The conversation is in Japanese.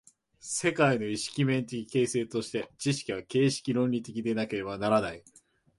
世界の意識面的形成として、知識は形式論理的でなければならない。